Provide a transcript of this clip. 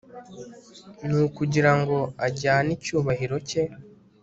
Ni ukugira ngo ajyane icyubahiro cye